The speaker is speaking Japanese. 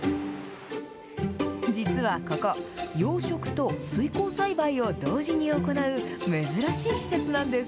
実はここ、養殖と水耕栽培を同時に行う、珍しい施設なんです。